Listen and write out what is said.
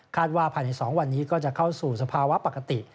ว่าภายใน๒วันนี้ก็จะเข้าสู่สภาวะปกติ